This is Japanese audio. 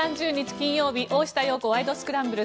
金曜日「大下容子ワイド！スクランブル」。